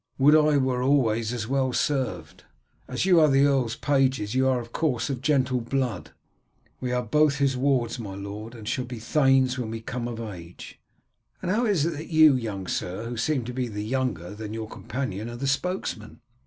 "Would I were always as well served. As you are the earl's pages you are of course of gentle blood?" "We are both his wards, my lord, and shall be thanes when we come of age." "And how is it that you, young sir, who seem to be younger than your companion, are the spokesman?"